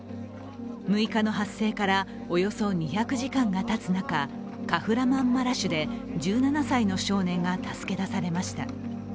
６日の発生からおよそ２００時間がたつ中カフラマンマラシュで１７歳の少年が助け出されました。